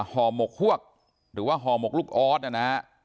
ห่อหมกฮวกหรือว่าห่อหมกลูกออสนะฮะ